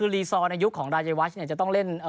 รีซอร์ในยุคของรายวัชจะต้องเล่น